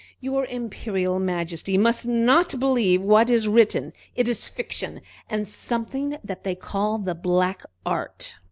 "Your Imperial Majesty must not believe what is written. It is fiction, and something that they call the black art."